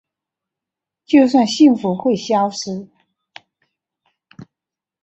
就算幸福会消失